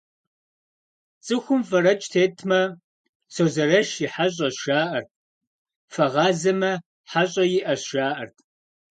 Цӏыхум фэрэкӏ тетмэ, «Созэрэщ и хьэщӏэщ» жаӏэрт, фэгъазэмэ, «хьэщӏэ иӏэщ» - жаӏэрт.